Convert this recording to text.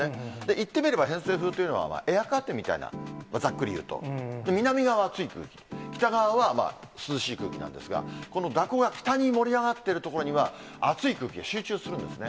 言ってみれば、偏西風というのは、エアカーテンみたいな、ざっくり言うと、南側は熱い空気、北側は涼しい空気なんですが、この蛇行が北に盛り上がっている所には、熱い空気が集中するんですね。